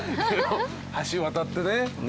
橋渡ってね。